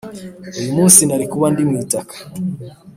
uyumunsi narikuba ndi mwitaka